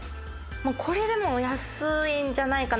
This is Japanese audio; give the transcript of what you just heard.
これでも安いんじゃないかな。